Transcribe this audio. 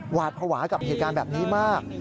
หวาดภาวะกับเหตุการณ์แบบนี้มาก